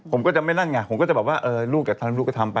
ผมก็จะไม่นั่งงานผมก็จะบอกว่าลูกจะทำลูกก็ทำไป